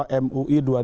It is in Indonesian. pegang teguh fatwa